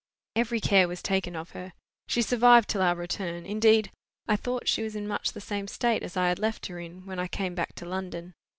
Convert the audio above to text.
Every care was taken of her. She survived till our return. Indeed, I thought she was in much the same state as I had left her in, when I came back to London.